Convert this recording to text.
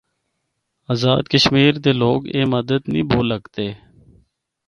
آزاد کشمیر دے لوگ اے مدد نیں بھُل ہکدے۔